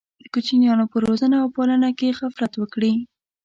د کوچنیانو په روزنه او پالنه کې غفلت وکړي.